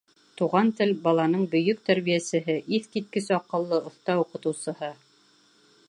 Туған тел — баланың бөйөк тәрбиәсеһе, иҫ киткес аҡыллы, оҫта уҡытыусыһы.